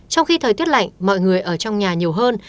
trong khi thời tiết lạnh mọi người ở trong nhà nhiều hơn